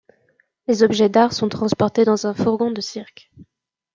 Les objets d'art sont transportés dans un fourgon de cirque.